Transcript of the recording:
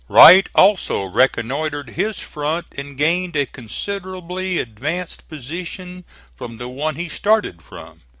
Wright also reconnoitred his front and gained a considerably advanced position from the one he started from.